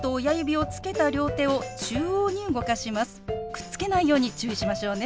くっつけないように注意しましょうね。